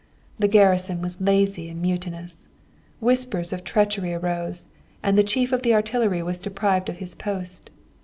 The garrison was lazy and mutinous. Whispers of treachery arose, and the chief of the artillery was deprived of his post.